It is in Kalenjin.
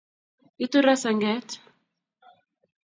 Itu ra senget